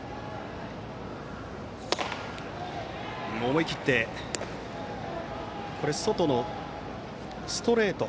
思い切って外のストレート。